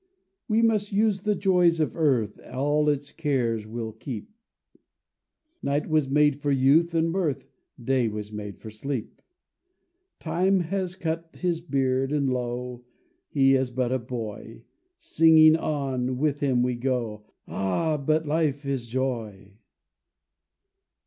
We must use the joys of earth, All its cares we'll keep; Night was made for youth and mirth, Day was made for sleep. Time has cut his beard, and lo! He is but a boy, Singing, on with him we go, Ah! but life is joy.